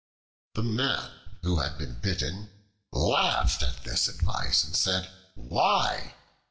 The Man who had been bitten laughed at this advice and said, "Why?